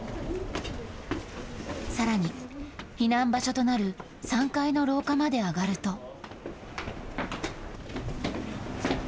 さらに、避難場所となる３階の廊下まで上がると。